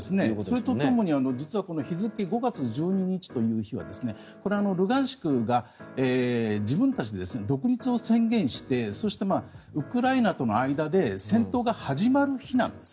それとともに、実は日付５月１２日という日はこれはルハンシクが自分たちで独立を宣言してそして、ウクライナとの間で戦闘が始まる日なんです。